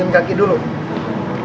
rena duduk disebelah papa